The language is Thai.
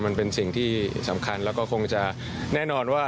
มันเป็นสิ่งที่สำคัญแล้วก็คงจะแน่นอนว่า